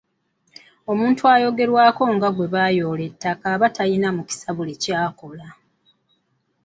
Omuntu ayogerwako nga gwe baayoola ettaka aba talina mukisa mu buli ky’akola.